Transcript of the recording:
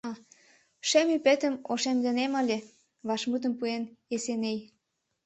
— Шем ӱпетым ошемдынем ыле... — вашмутым пуэн Эсеней.